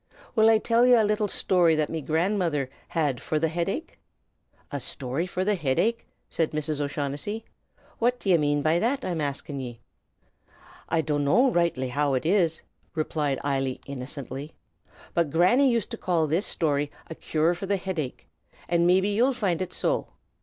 Will I till ye a little shtory that me grandmother hed for the hidache?" "A shtory for the hidache?" said Mrs. O'Shaughnessy. "What do ye mane by that, I'm askin' ye?" "I dunno roightly how ut is," replied Eily, innocently, "but Granny used to call this shtory a cure for the hidache, and mebbe ye'd find ut so.